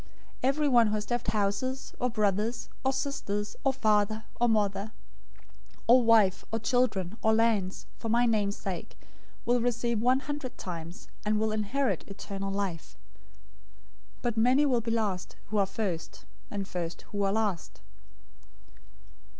019:029 Everyone who has left houses, or brothers, or sisters, or father, or mother, or wife, or children, or lands, for my name's sake, will receive one hundred times, and will inherit eternal life. 019:030 But many will be last who are first; and first who are last.